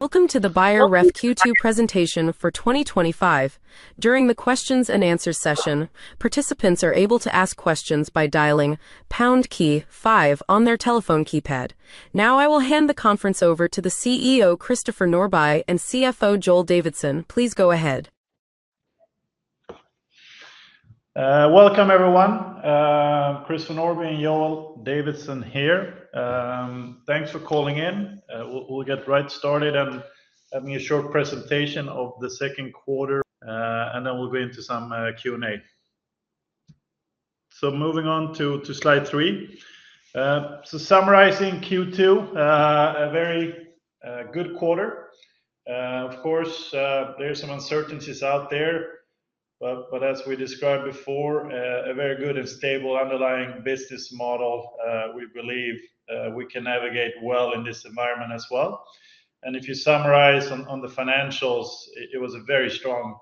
Welcome to the Buyer Ref Q2 Presentation for 2025. Now I will hand the conference over to the CEO, Christopher Norbai, and CFO, Joel Davidson. Please go ahead. Welcome, everyone. Christopher Norbai and Joel Davidson here. Thanks for calling in. We'll get right started I mean a short presentation of the second quarter, and then we'll go into some Q and A. So moving on to Slide three. So summarizing Q2, a very good quarter. Of course, there's some uncertainties out there. But as we described before, a very good and stable underlying business model, we believe we can navigate well in this environment as well. And if you summarize on on the financials, it was a very strong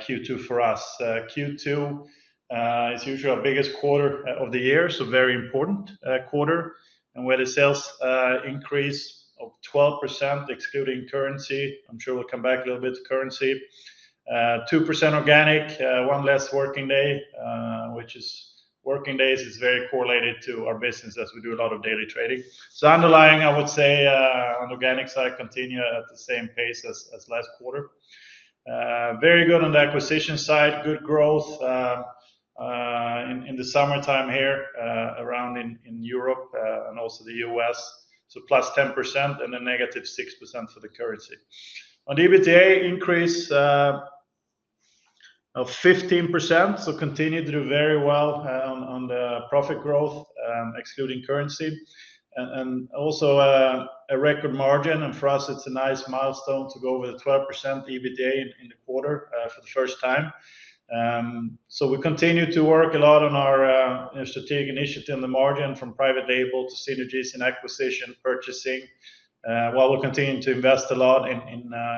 q two for us. Q two is usually our biggest quarter of the year, so very important quarter. And where the sales increase of 12% excluding currency, I'm sure we'll come back a little bit to currency. 2% organic, one less working day, which is working days is very correlated to our business as we do a lot of daily trading. So underlying, I would say, on the organic side, continue at the same pace as as last quarter. Very good on the acquisition side. Good growth in in the summertime here around in in Europe and also The US. So plus 10% and a negative 6% for the currency. On EBITDA, increase of 15%, so continue to do very well on the profit growth excluding currency And also a record margin, and for us, it's a nice milestone to go over the 12% EBITDA in the quarter for the first time. So we continue to work a lot on our strategic initiative in the margin from private label to synergies and acquisition purchasing, while we're continuing to invest a lot in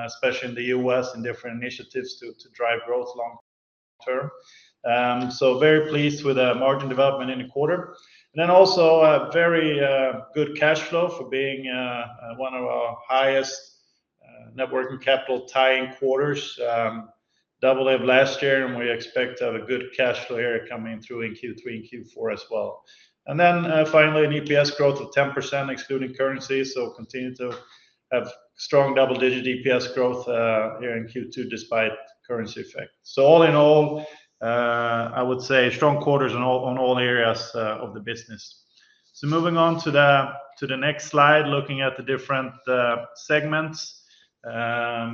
especially in The U. S. In different initiatives to drive growth long term. So very pleased with the margin development in the quarter. Then also a very good cash flow for being one of our highest networking capital tying quarters, double of last year, and we expect a good cash flow area coming through in q three and q four as well. And then finally, an EPS growth of 10% excluding currency, so continue to have strong double digit EPS growth here in Q2 despite currency effect. So all in all, I would say strong quarters on all areas of the business. So moving on to the next slide, looking at the different segments. I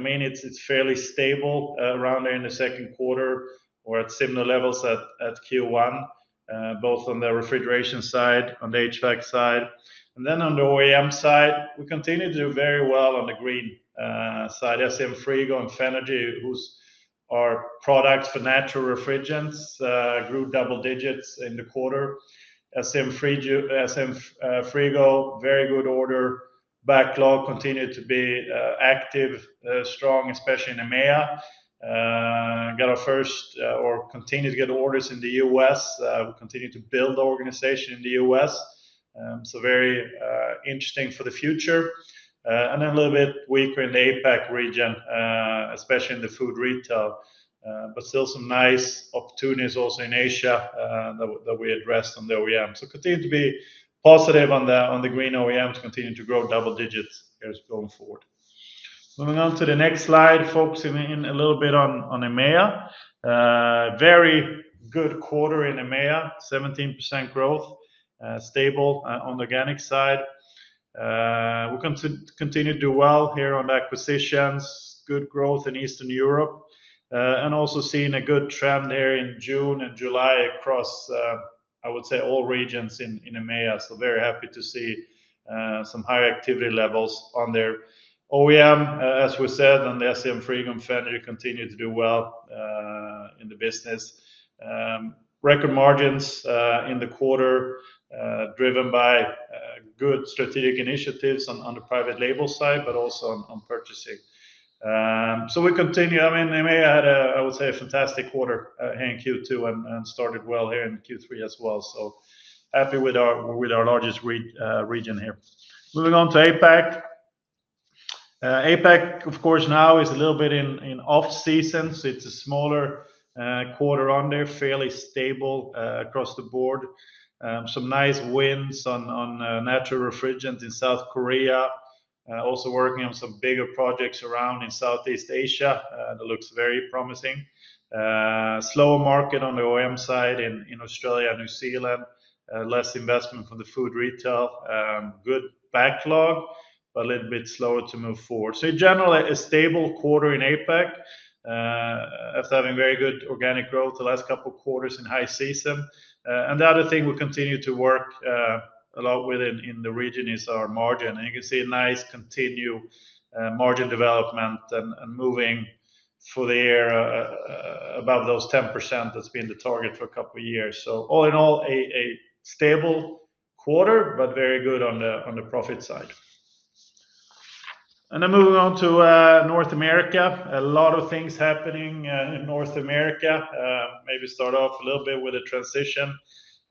mean, it's fairly stable around there in the second quarter or at similar levels at Q1, both on the refrigeration side, on the HVAC side. And then on the OEM side, we continue to do very well on the green side. SM Frigo and Fenogy, whose our products for natural refrigerants grew double digits in the quarter. SM free Frigo, very good order. Backlog continued to be active, strong, especially in EMEA. Got our first or continue to get orders in The US. We continue to build the organization in The US. So very interesting for the future. And then a little bit weaker in the APAC region, especially in the food retail, but still some nice opportunities also in Asia that we addressed on the OEM. So continue to be positive on the green OEMs, continue to grow double digits as going forward. Moving on to the next slide, focusing in a little bit on EMEA. Very good quarter in EMEA, 17% growth, stable on the organic side. We continue to do well here on acquisitions, good growth in Eastern Europe and also seeing a good trend there in June and July across, I would say, all regions in EMEA. So very happy to see some higher activity levels on there. OEM, as we said, on the SEM Frigum Fennery continued to do well in the business. Record margins in the quarter driven by good strategic initiatives on on the private label side, but also on on purchasing. So we continue. I mean, they may had a, I would say, a fantastic quarter here in Q2 and started well here in Q3 as well. So happy with our largest region here. Moving on to APAC. APAC, of course, now is a little bit in in off season. So it's a smaller quarter on there, fairly stable across the board. Some nice wins on on natural refrigerants in South Korea, also working on some bigger projects around in Southeast Asia. It looks very promising. Slower market on the OEM side in in Australia, New Zealand, less investment from the food retail. Good backlog, but a little bit slower to move forward. So generally, a stable quarter in APAC, that's having very good organic growth the last couple of quarters in high season. And the other thing we continue to work a lot within in the region is our margin. And you can see a nice continue margin development and moving for the year above those 10% that's been the target for a couple of years. So all in all, a stable quarter, but very good on the on the profit side. And then moving on to, North America. A lot of things happening in North America. Maybe start off a little bit with a transition.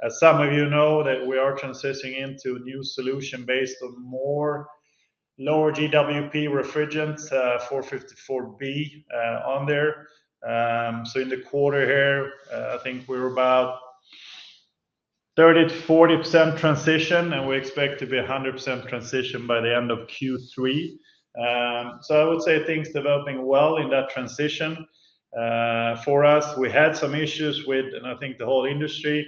As some of you know that we are transitioning into a new solution based on more lower GWP refrigerants, four fifty four b, on there. So in the quarter here, I think we're about 30 to 40% transition, and we expect to be a 100% transition by the end of q three. So I would say things developing well in that transition for us. We had some issues with and I think the whole industry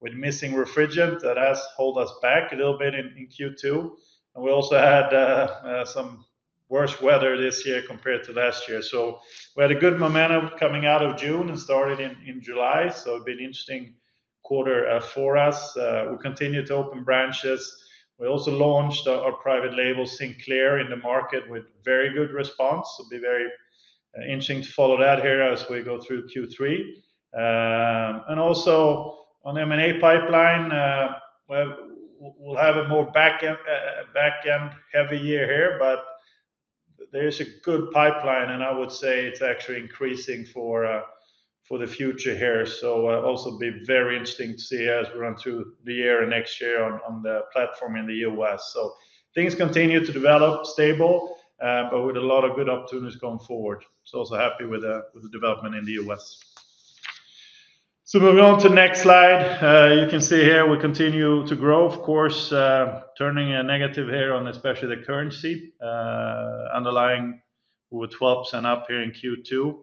with missing refrigerant that has hold us back a little bit in in q two. And we also had some worse weather this year compared to last year. So we had a good momentum coming out of June and started in in July, so it'd be an interesting quarter for us. We continue to open branches. We also launched our private label Sinclair in the market with very good response. It'll be very interesting to follow that here as we go through Q3. And also on m and a pipeline, we'll have a more back end back end heavy year here, but there's a good pipeline, and I would say it's actually increasing for for the future here. So, also be very interesting to see as we run through the year and next year on on the platform in The US. So things continue to develop stable, but with a lot of good opportunities going forward. So also happy with the with the development in The US. So moving on to next slide. You can see here, we continue to grow, of course, turning negative here on especially the currency underlying with 12% up here in Q2,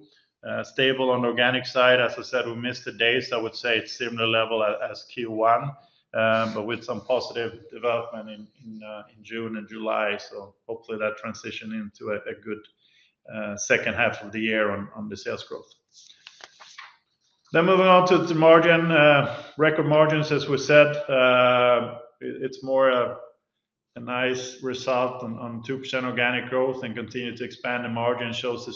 stable on the organic side. As I said, we missed the days. Would say it's similar level as Q1, but with some positive development in June and July. So hopefully, that transition into a good second half of the year on the sales growth. Then moving on to margin, record margins, as we said, it's more a nice result on 2% organic growth and continue to expand the margin shows the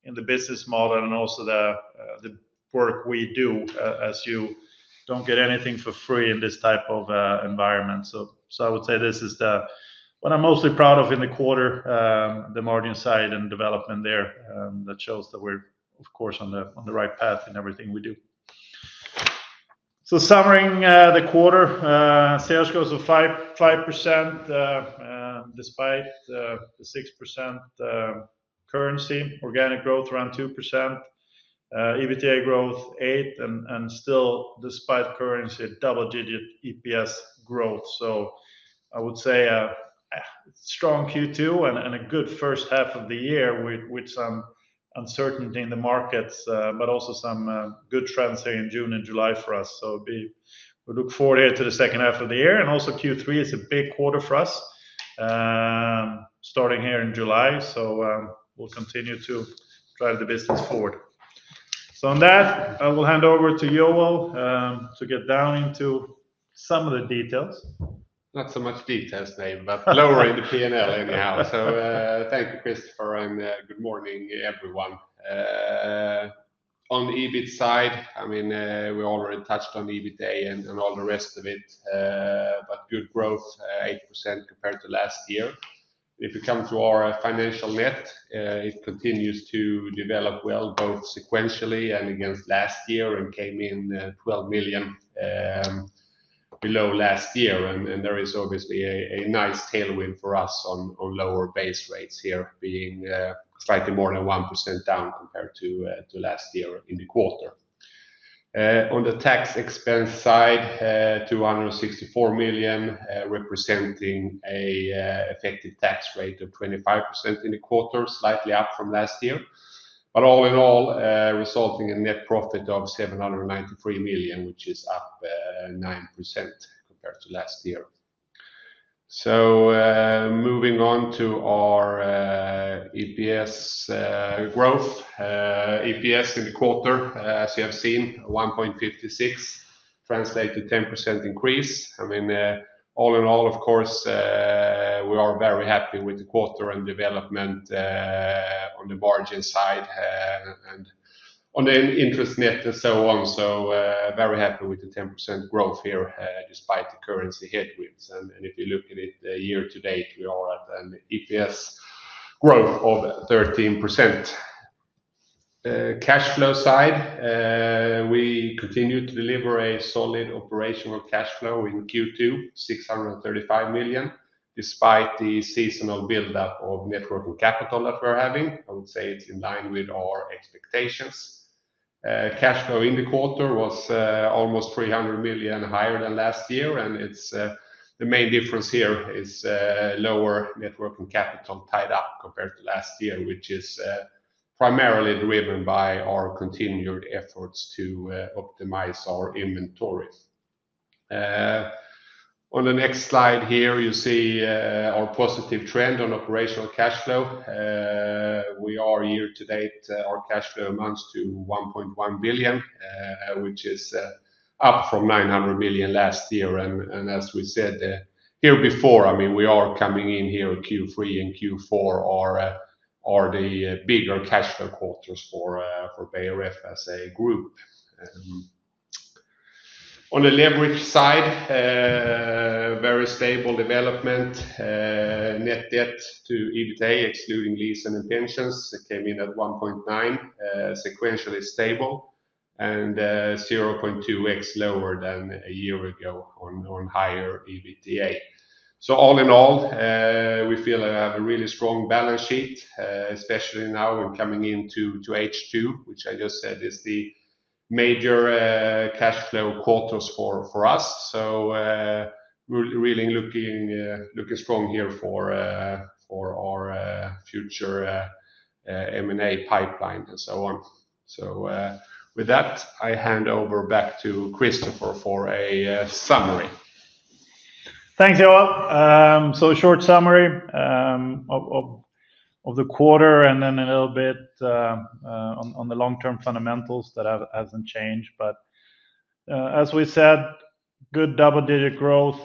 strength the business model and also the the work we do as you don't get anything for free in this type of environment. So so I would say this is the what I'm mostly proud of in the quarter, the margin side and development there that shows that we're, of course, on right path in everything we do. So, summary the quarter, sales growth of 5% despite the 6% currency, organic growth around 2%, EBITDA growth 8% and still despite currency double digit EPS growth. So I would say strong Q2 and a good first half of the year with some uncertainty in the markets, but also some good trends here in June and July for us. So we look forward to the second half of the year. And also Q3 is a big quarter for us starting here in July, so we'll continue to drive the business forward. So on that, I will hand over to Joel to get down into some of the details. Not so much details, Dave, but lowering the p and l anyhow. So thank you, Christopher, and good morning, everyone. On the EBIT side, I mean, we already touched on the EBITA and and all the rest of it, but good growth, 8% compared to last year. If you come to our financial net, it continues to develop well both sequentially and against last year and came in 12,000,000 below last year. And and there is obviously a a nice tailwind for us on on lower base rates here being slightly more than 1% down compared to to last year in the quarter. On the tax expense side, 264,000,000, representing a effective tax rate of 25% in the quarter, slightly up from last year. But all in all, resulting in net profit of 793,000,000, which is up 9% compared to last year. So moving on to our EPS growth. EPS in the quarter, as you have seen, 1.56 translate to 10% increase. I mean, all in all, of course, we are very happy with the quarter and development on the margin side and on the interest net and so on. So very happy with the 10% growth here despite the currency headwinds. And and if you look at it year to date, we are at an EPS growth of 13%. Cash flow side, we continue to deliver a solid operational cash flow in q two, six hundred and thirty five million, despite the seasonal buildup of net working capital that we're having. I would say it's in line with our expectations. Cash flow in the quarter was almost 300,000,000 higher than last year, and it's the main difference here is lower net working capital tied up compared to last year, which is primarily driven by our continued efforts to optimize our inventories. On the next slide here, you see our positive trend on operational cash flow. We are year to date, Our cash flow amounts to 1,100,000,000.0, which is up from 900,000,000 last year. And and as we said here before, I mean, we are coming in here q three and q four are are the bigger cash flow quarters for for as a group. On the leverage side, very stable development. Net debt to EBITDA, excluding lease and intentions, came in at 1.9, sequentially stable, and 0.2 x lower than a year ago on on higher EBITDA. So all in all, we feel that we have a really strong balance sheet, especially now we're coming into to h two, which I just said is the major cash flow quarters for for us. So we're really looking looking strong here for for our future m and a pipeline and so on. So with that, I hand over back to Christopher for a summary. Thanks, Joab. So a short summary of the quarter and then a little bit on the long term fundamentals that hasn't changed. But as we said, good double digit growth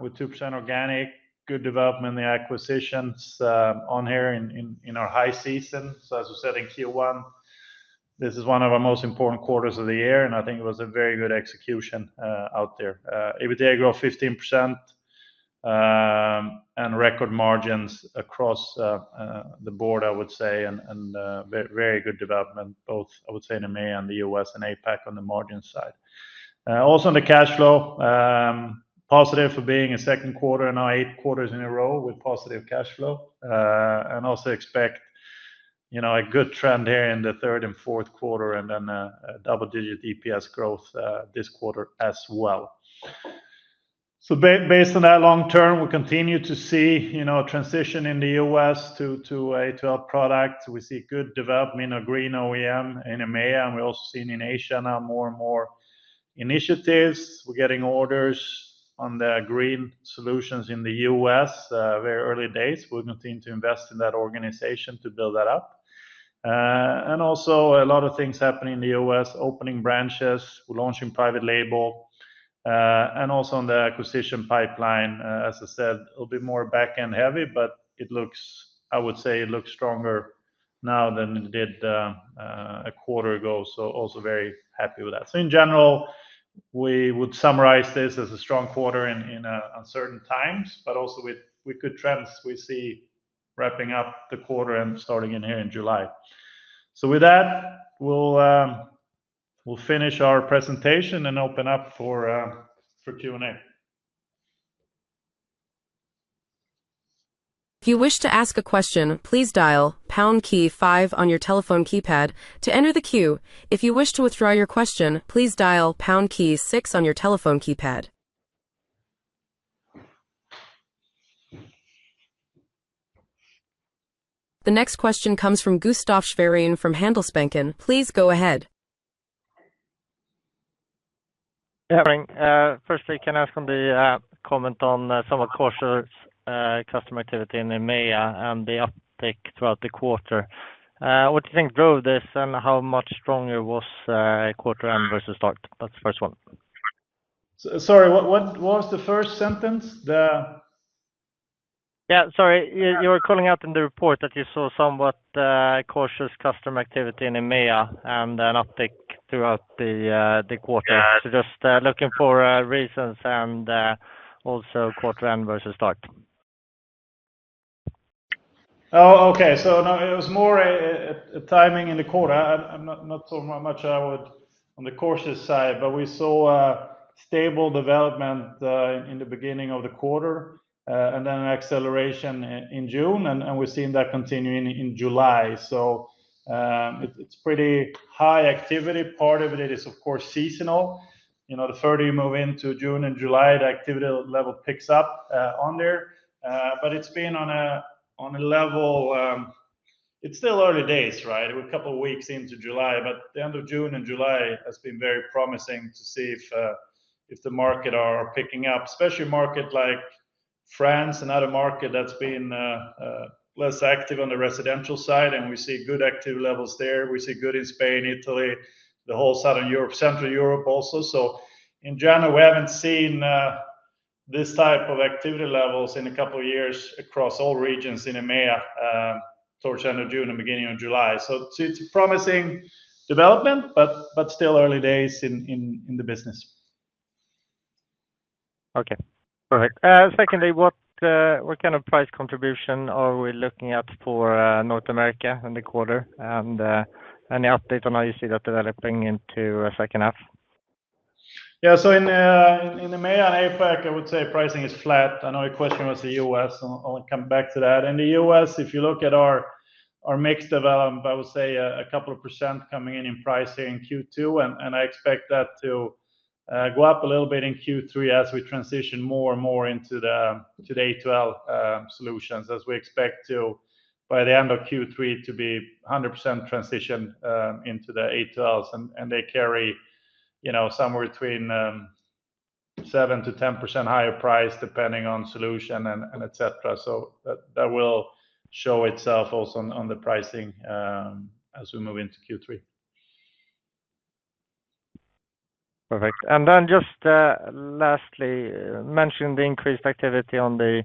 with two percent organic, good development in the acquisitions on here in our high season. So as we said in Q1, this is one of our most important quarters of the year, and I think it was a very execution out there. EBITDA grew 15% and record margins across the board, I would say, and very good development, both, I would say, in EMEA and The U. S. And APAC on the margin side. Also on the cash flow, positive for being in second quarter, now eight quarters in a row with positive cash flow. And also expect a good trend here in the third and fourth quarter and then double digit EPS growth this quarter as well. So based on that long term, we continue to see a transition in The U. S. To 12 product. We see good development of green OEM in EMEA, and we're also seeing in Asia now more and more initiatives. We're getting orders on the green solutions in The U. S, very early days. We're going think to invest in that organization to build that up. And also a lot of things happening in The U. S, opening branches, launching private label and also on the acquisition pipeline. As I said, a little bit more back end heavy, but it looks I would say, it looks stronger now than it did a quarter ago. So also very happy with that. So in general, we would summarize this as a strong quarter in uncertain times, but also with good trends we see wrapping up the quarter and starting in here in July. So with that, we'll finish our presentation and open up for Q The next question comes from Gustaf Sverrein from Handelsbanken. Please go ahead. Firstly, can I ask on the comment on somewhat cautious customer activity in EMEA and the uptick throughout the quarter? What do think drove this? And how much stronger was quarter end versus start? That's the first one. Sorry, what was the first sentence? The Yes. Sorry, you were calling out in the report that you saw somewhat cautious customer activity in EMEA and an uptick throughout the the quarter. So just looking for reasons and also quarter end versus start. Oh, okay. So no, it was more a timing in the quarter. I'm not so much I would on the cautious side, but we saw a stable development in the beginning of the quarter and then an acceleration in June, and and we're seeing that continuing in July. So it's it's pretty high activity. Part of it is, of course, seasonal. You know, the further you move into June and July, the activity level picks up on there. But it's been on a on a level it's still early days. Right? We're a couple of weeks into July, but the June and July has been very promising to see if if the market are picking up, especially market like France, another market that's been less active on the residential side, and we see good active levels there. We see good in Spain, Italy, the whole Southern Europe, Central Europe also. So in general, we haven't seen this type of activity levels in a couple of years across all regions in EMEA towards June and July. So it's development, but but still early days in in in the business. Okay. Perfect. Secondly, what what kind of price contribution are we looking at for North America in the quarter? And any update on how you see that developing into second half? Yes. So in EMEA and APAC, I would say pricing is flat. I know your question was The U. S, so I'll come back to that. In The U. S, if you look at our mix development, I would say a couple of percent coming in, in pricing in Q2, and I expect that to go up a little bit in q three as we transition more and more into the the a 12 solutions as we expect to, by the end of q three, to be 100% transition into the a 12, and they carry somewhere between 7% to 10% higher price depending on solution and and etcetera. So that that will show itself also on on the pricing as we move into q three. Perfect. And then just lastly, you mentioned the increased activity on the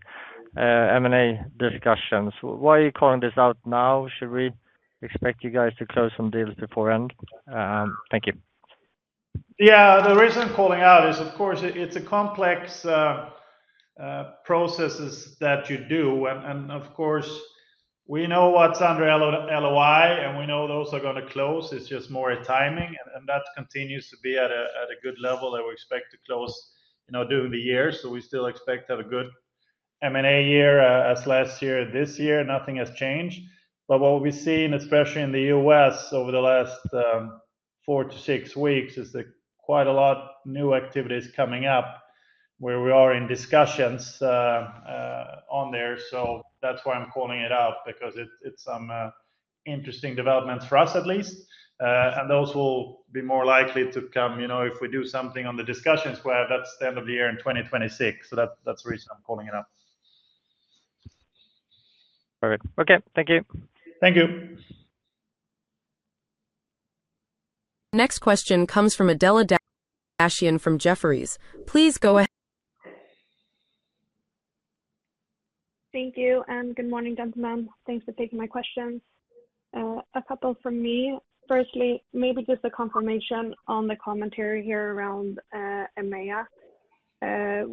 M and A discussions. Why are you calling this out now? Should we expect you guys to close some deals beforehand? Thank you. Yes. The reason I'm calling out is, of course, it's a complex processes that you do. And of course, we know what's under LOI and we know those are going to close. It's just more a timing that continues to be at a at a good level that we expect to close, you know, during the year. So we still expect to have a good m and a year as last year. This year, nothing has changed. But what we've seen, especially in The US over the last four to six weeks, is that quite a lot new activities coming up where we are in discussions on there. So that's why I'm calling it out because it's it's some interesting developments for us at least. And those will be more likely to come, you know, if we do something on the discussions where that's the end of the year in 2026. So that that's the reason I'm calling it up. Alright. Okay. Thank you. Thank you. Next question comes from Adelaide Shion from Jefferies. Please go ahead. Thank you, and good morning, gentlemen. Thanks for taking my questions. A couple from me. Firstly, maybe just a confirmation on the commentary here around EMEA.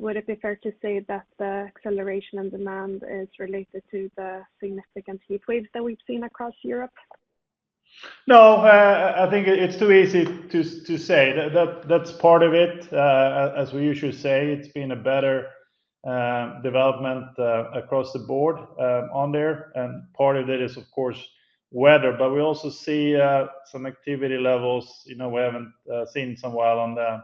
Would it be fair to say that the acceleration in demand is related to the significant heat waves that we've seen across Europe? No. I think it's too easy to to say. That that that's part of it. As we usually say, it's been a better development across the board on there, and part of it is, of course, weather, but we also see some activity levels, you know, we haven't seen some while on the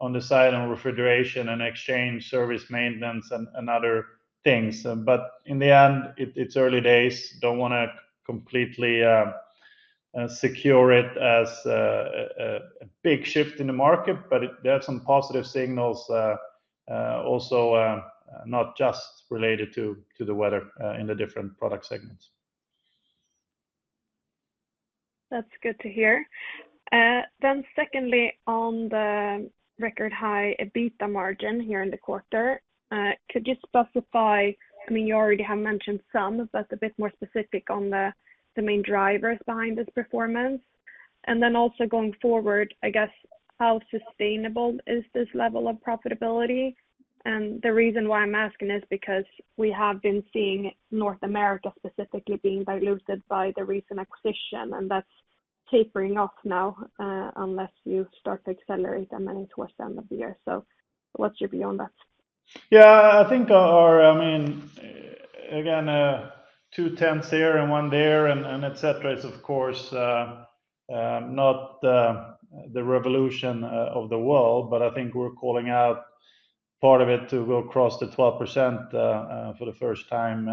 on the side on refrigeration and exchange service maintenance and and other things. But in the end, it it's early days. Don't wanna completely secure it as a big shift in the market, but there are some positive signals also not just related to the weather in the different product segments. That's good to hear. Then secondly, on the record high EBITDA margin here in the quarter, could you specify I mean, you already have mentioned some, but a bit more specific on the the main drivers behind this performance. And then also going forward, I guess, how sustainable is this level of profitability? And the reason why I'm asking is because we have been seeing North America specifically being diluted by the recent acquisition, and that's tapering off now, unless you start to accelerate them towards the end of the year. So what's your view on that? Yeah. I think our I mean, again, two tenths here and one there and and etcetera is, of course, not the revolution of the world, but I think we're calling out part of it to go across the 12% for the first time.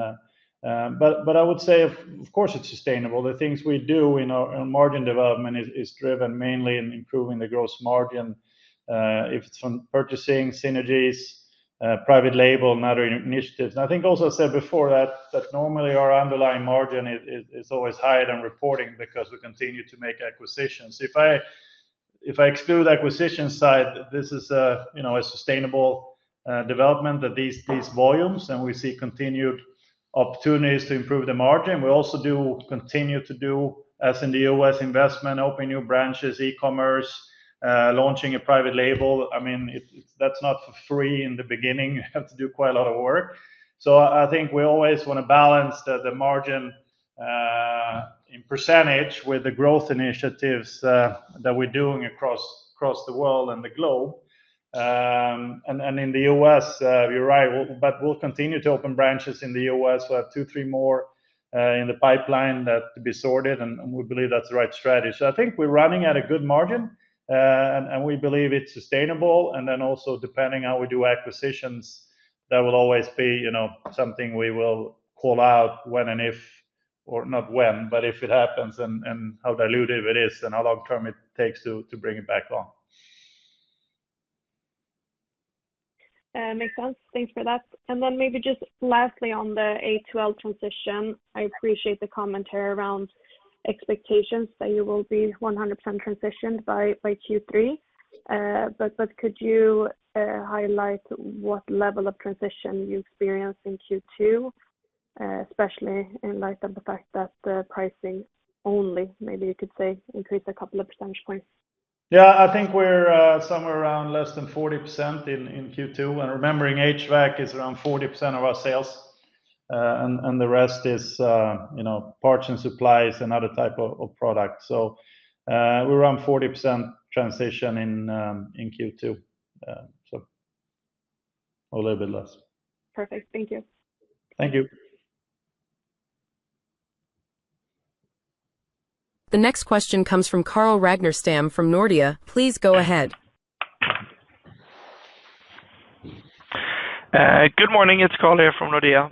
But but I would say, course, it's sustainable. The things we do in our margin development is is driven mainly in improving the gross margin. If some purchasing synergies, private label, matter of initiatives. And I think also said before that normally, underlying margin is always higher than reporting because we continue to make acquisitions. If I exclude acquisition side, this is a sustainable development of these volumes, and we see continued opportunities to improve the margin. We also do continue to do as in The US investment, open new branches, ecommerce, launching a private label. I mean, that's not free in the beginning. You have to do quite a lot of work. So I think we always wanna balance the the margin in percentage with the growth initiatives that we're doing across across the world and the globe. And and in The US, you're right. We'll but we'll continue to open branches in The US. We have two, three more in the pipeline that to be sorted, and and we believe that's the right strategy. So I think we're running at a good margin, and and we believe it's sustainable. And then also depending how we do acquisitions, that will always be, you know, something we will call out when and if or not when, but if it happens and and how dilutive it is and how long term it takes to to bring it back on. Makes sense. And then maybe just lastly on the A2L transition. I appreciate the commentary around expectations that you will be 100% transitioned by But could you highlight what level of transition you experienced in Q2, especially in light of the fact that pricing only, maybe you could say, increased a couple of percentage points? Yeah. I think we're somewhere around less than 40% in in q two. And remembering HVAC is around 40% of our sales, and and the rest is, you know, parts and supplies and other type of of product. So we're around 40% transition in q two, so a little bit less. Perfect. Thank you. Thank you. The next question comes from Karl Ragnarstam from Nordea. It's Karl here from Nordea.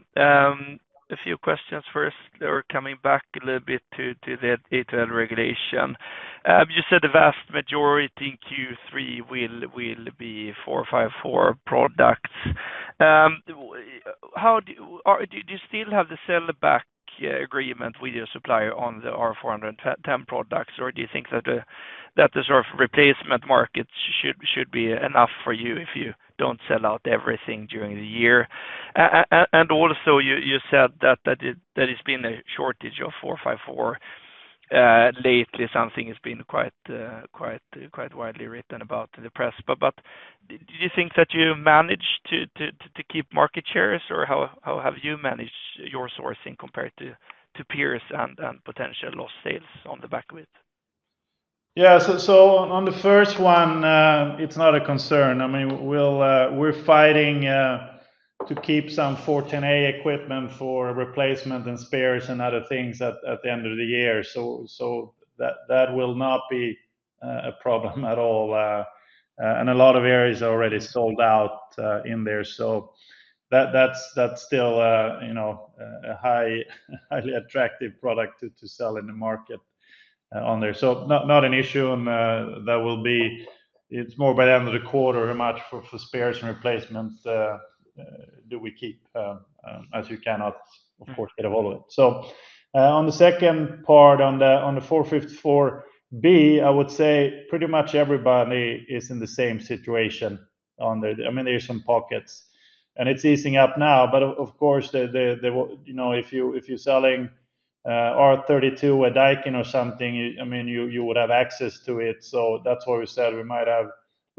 A few questions. First, They were coming back a little bit to the retail regulation. You said the vast majority in Q3 will be four fifty four products. How do you do you still have the sell back agreement with your supplier on the R410 products? Or do you think that the sort of replacement market should be enough for you if you don't sell out everything during the year? And also, you said that there has been a shortage of four fifty four lately, something has been quite widely written about in the press. But do you think that you managed to keep market shares? Or how have you managed your sourcing compared to peers and potential lost sales on the back of it? Yes. So on the first one, it's not a concern. I mean, we'll we're fighting to keep some Fortinet equipment for replacement and spares and other things at the end of the year. So that will not be a problem at all. And a lot of areas are already sold out in there. So that's still a highly attractive product to sell in the market on there. So not an issue. And that will be it's more by the end of the quarter how much for spares and replacements do we keep as you cannot, of course, get a wallet. So on the second part, the on the four fifty four b, I would say pretty much everybody is in the same situation on the I mean, there's some pockets, and it's easing up now. But, of course, the the the you know, if you if you're selling r 32 with Daikin or something, I mean, you you would have access to it. So that's why we said we might have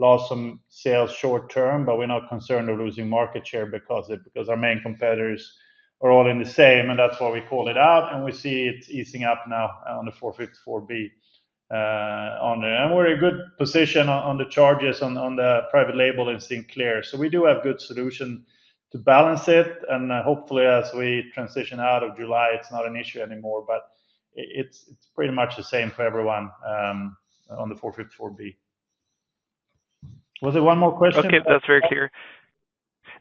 lost some sales short term, but we're not concerned of losing market share because it because our main competitors are all in the same, and that's why we call it out. And we see it easing up now on the $4.54 b on there. And we're in a good position on the charges on on the private label and seeing clair. So we do have good solution to balance it. And, hopefully, as we transition out of July, it's not an issue anymore, but it's it's pretty much the same for everyone on the four fifty four b. Was there one more question? Okay. That's very clear.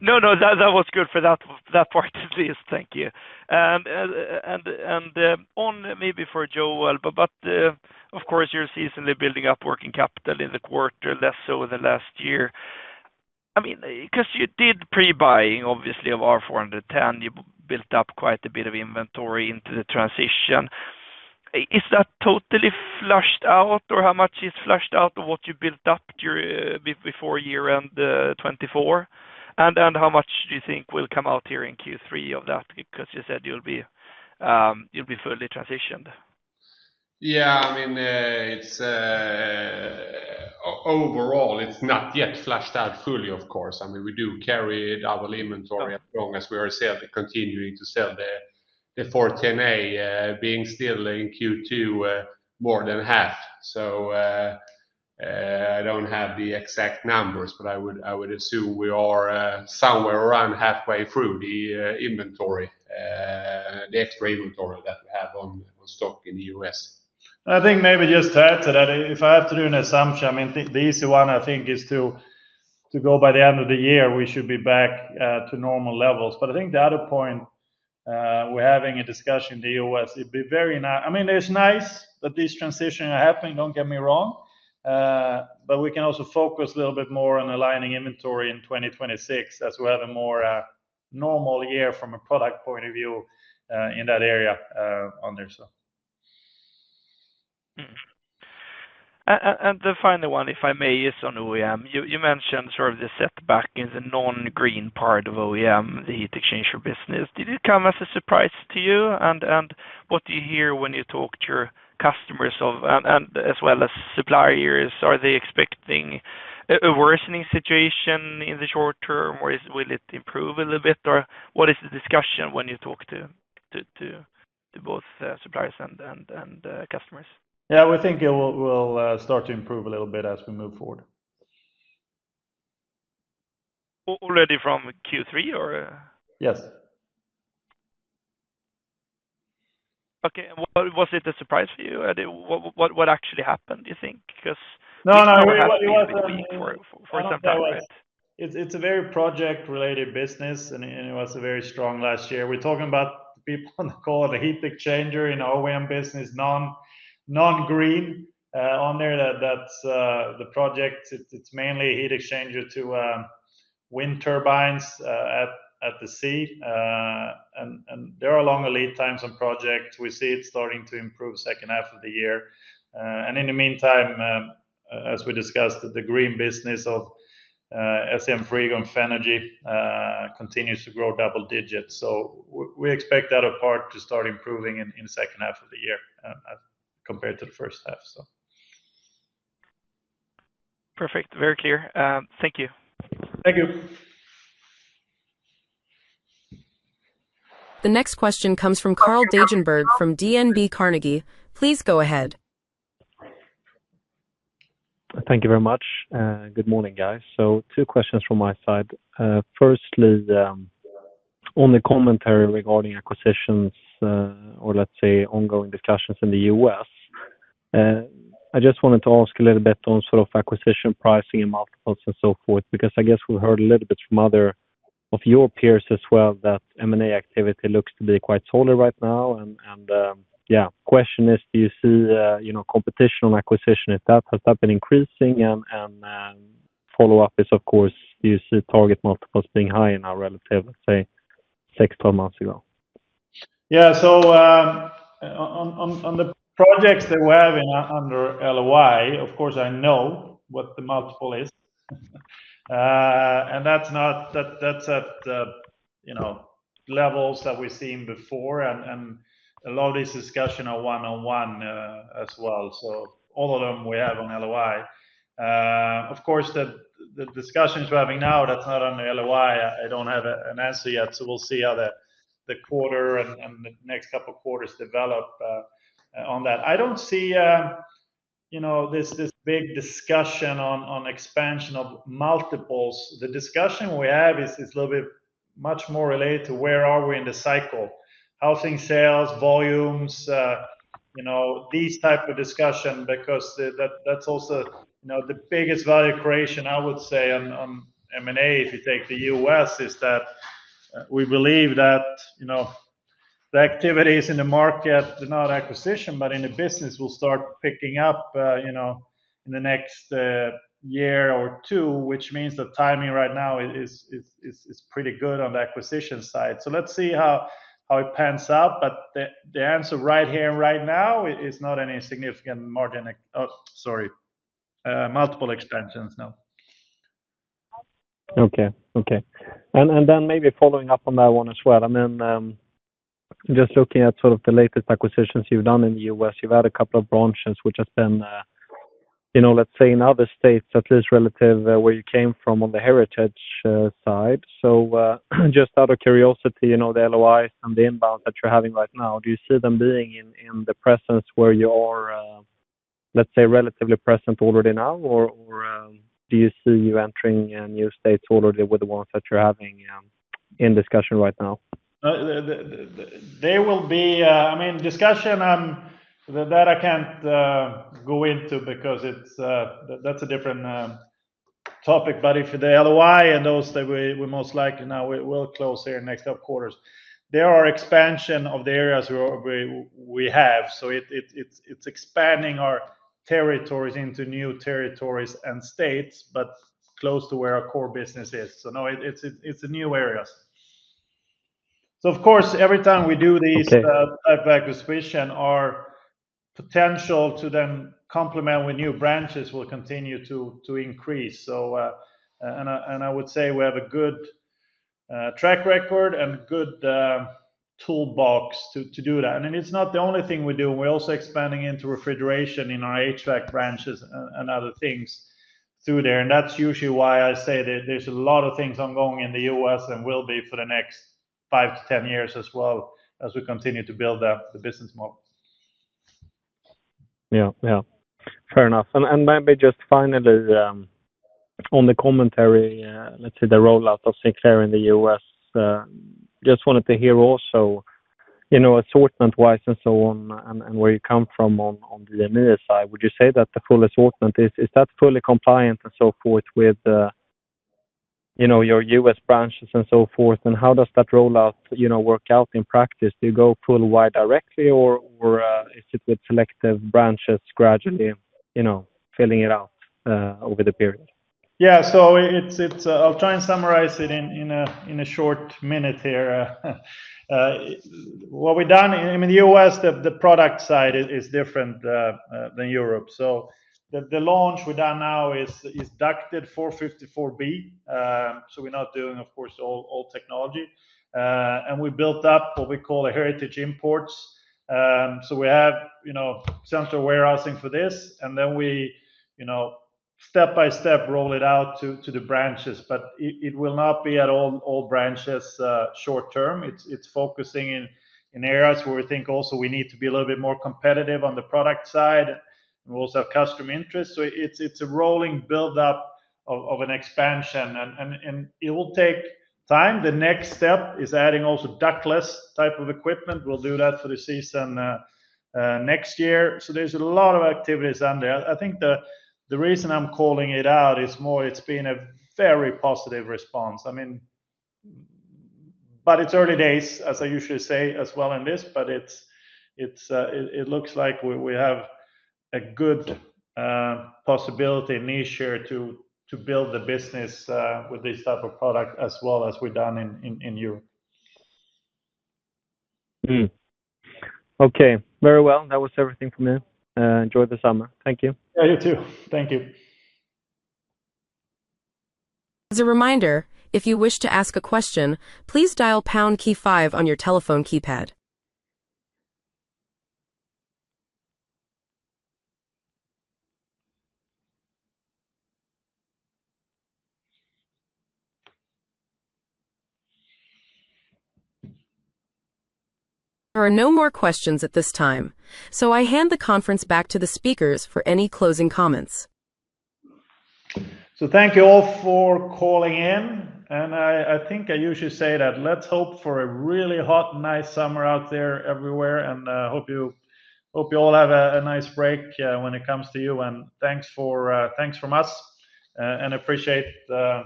No, no, that was good for that part, please. Thank you. On maybe for Joel, but of course, you're seasonally building up working capital in the quarter, less so than last year. I mean because you did prebuying, obviously, of our $410,000,000 You built up quite a bit of inventory into the transition. Is that totally flushed out? Or how much is flushed out of what you built up before year end 2024? And how much do you think will come out here in Q3 of that? Because you said you'll be fully transitioned. Yeah. I mean, it's overall, it's not yet flushed out fully, of course. I mean, we do carry double inventory as long as we are still continuing to sell the the four ten a being still in q two more than half. So I don't have the exact numbers, but I would I would assume we are somewhere around halfway through the inventory the X-ray inventory that we have on stock in The US. I think maybe just to add to that, if I have to do an assumption, mean, the the easy one, I think, is to to go by the end of the year. We should be back to normal levels. But I think the other point we're having a discussion in The US, it'd be very mean, it's nice that this transition are happening, don't get me wrong. But we can also focus a little bit more on aligning inventory in 2026 as we have a more normal year from a product point of view in that area on there. And the final one, if I may, is on OEM. You mentioned sort of the setback in the non green part of OEM, the heat exchanger business. Did it come as a surprise to you? And what do you hear when you talk to your customers of and as well as suppliers? Are they expecting a worsening situation in the short term? Or will it improve a little bit? Or what is the discussion when you talk to both suppliers and customers? Yes. We think it will start to improve a little bit as we move forward. Already from Q3 or? Yes. Okay. Was it a surprise for you? What what actually happened, do you think? Because No. No. We were actually for some time. Right? It's it's a very project related business, and and was a very strong last year. We're talking about people on the call of the heat exchanger in our OEM business, non non green on there. That that's the project. It's it's mainly heat exchanger to wind turbines And and there are longer lead times on projects. We see it starting to improve second half of the year. And in the meantime, as we discussed, the the green business of SEM Frigon Fenergi continues to grow double digits. So we expect that apart to start improving in the second half of the year compared to the first half. Very clear. Thank you. Thank you. Next question comes from Karl Degenberg from DNB Carnegie. So two questions from my side. Firstly, the commentary regarding acquisitions or, let's say, ongoing discussions in The U. S, I just wanted to ask a little bit on sort of acquisition pricing and multiples and so forth because I guess we heard a little bit from other of your peers as well that M and A activity looks to be quite solid right now. And yes, question is, do you see competition on acquisition, if that has not been increasing? And follow-up is, of course, you see target multiples being high in our relative, let's say, six, twelve months ago. Yeah. So on on on the projects that we're having under LOI, of course, I know what the multiple is, and that's not that that's at, you know, levels that we've seen before, and and a lot of this discussion are one on one as well. So all of them we have on LOI. Of course, the the discussions we're having now, that's not on the LOI. I don't have an answer yet, so we'll see how the the quarter and and the next couple of quarters develop on that. I don't see, this big discussion on expansion of multiples. The discussion we have is a little bit much more related to where are we in the cycle, housing sales, volumes, these type of discussion because that's also the biggest value creation, I would say, on M and A, if you take The U. S, is that we believe that the activities in the market, not acquisition, but in the business will start picking up in the next year or two, which means the timing right now is pretty good on the acquisition side. So let's see how it pans out, but the answer right here and right now is not any significant margin sorry, multiple expansions, no. Okay, okay. And then maybe following up on that one as well, I mean, just looking at sort of the latest acquisitions you've done in The US, you've had a couple of branches, which has been, let's say, in other states, at least relative where you came from on the heritage side. So just out of curiosity, the LOIs and the inbound that you're having right now, do you see them doing in in the presence where you are, let's say, relatively present already now, or or do you see you entering a new state totally with the ones that you're having in discussion right now? They will be I mean, discussion that I can't go into because it's that's a different topic. But if the LOI and those that we we most likely now will close here in the next couple quarters. There are expansion of the areas we we have. So it it it's it's expanding our territories into new territories and states, but close to where our core business is. So now it's it's it's a new areas. So, of course, every time we do these type of acquisition, our potential to then complement with new branches will continue to to increase. So and I and I would say we have a good track record and good toolbox to to do that. And then it's not the only thing we do. We're also expanding into refrigeration in our HVAC branches and and other things through there. That's usually why I say that there's a lot of things ongoing in The US and will be for the next five to ten years as well as we continue to build up the business model. Yeah. Yeah. Fair enough. And and maybe just finally, on the commentary, let's say, the rollout of Sinclair in The US, just wanted to hear also assortment wise and so on and where you come from on the linear side. Would you say that the full assortment is, is that fully compliant and so forth with you know, your US branches and so forth? And how does that rollout, you know, work out in practice? Do you go full wide directly, or or is it with selective branches gradually, you know, filling it out over the period? Yeah. So it's I'll try and summarize it in in a in a short minute here. What we've done in The US, the the product side is is different than Europe. So the launch we've done now is ducted 454B. So we're not doing, of course, all technology. And we built up what we call a heritage imports. So we have central warehousing for this. And then we step by step roll it out to the branches, but it will not be at all branches short term. It's focusing in areas where we think also we need to be a little bit more competitive on the product side We also have customer interest. So it's it's a rolling buildup of of an expansion, and and and it will take time. The next step is adding also ductless type of equipment. We'll do that for the season next year. So there's a lot of activities on there. I think the the reason I'm calling it out is more it's been a very positive response. I mean but it's early days as I usually say as well in this, but it's it's it it looks like we we have a good possibility, niche here to to build the business with this type of product as well as we've done in in in Europe. Okay. Very well. That was everything from me. Enjoy the summer. Thank you. Yeah. You too. Thank you. There are no more questions at this time, so I hand the conference back to the speakers for any closing comments. So thank you all for calling in. And I I think I usually say that let's hope for a really hot, nice summer out there everywhere. And I hope you hope you all have a nice break when it comes to you. And thanks for thanks from us, and appreciate the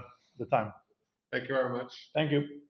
time. Thank you very much. Thank you.